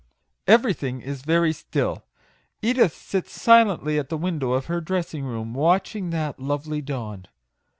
Everything is very still. Edith sits silently at the window of her dressing room, watching that lovely dawn.